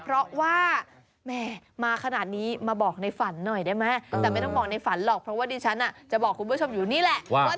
เพราะว่ามาขนาดนี้มาบอกในฝันหน่อยได้มั้